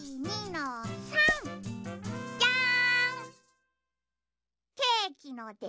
１２の３。じゃん。